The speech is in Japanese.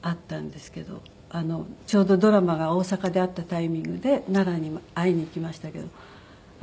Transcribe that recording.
ちょうどドラマが大阪であったタイミングで奈良に会いに行きましたけど。